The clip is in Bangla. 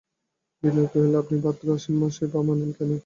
বিনয় কহিল, আপনি ভাদ্র-আশ্বিন মাসই বা মানেন কেন?